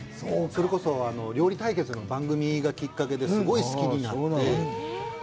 それこそ、料理対決の番組がきっかけで、すごい好きになって。